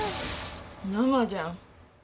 生じゃん。